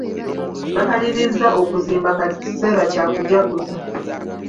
Bamalirizza okuzimba Kati kiseera kya kujaguza.